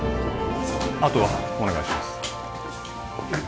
あとはお願いしますえっ？